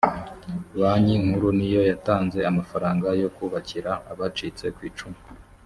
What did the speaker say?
banki nkuru niyo yatanze amafaranga yo kubakira abacitse kwicumu